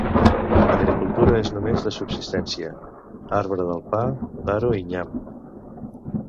L'agricultura és només de subsistència: arbre del pa, taro i nyam.